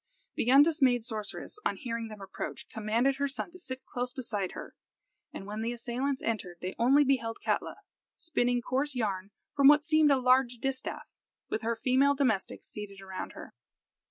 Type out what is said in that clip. The undismayed sorceress, on hearing them approach, commanded her son to sit close beside her, and when the assailants entered they only beheld Katla, spinning coarse yarn from what seemed a large distaff, with her female domestics seated around her.